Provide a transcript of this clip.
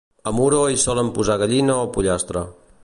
A Muro hi solen posar gallina o pollastre